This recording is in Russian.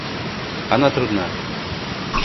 Она трудна.